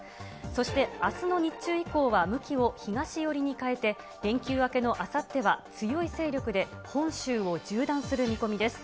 そしてあすの日中以降は向きを東寄りに変えて、連休明けのあさっては、強い勢力で本州を縦断する見込みです。